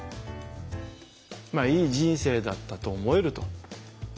まあ「いい人生だったと思える」と。